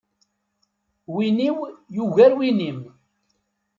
Win-iw yugar win-im.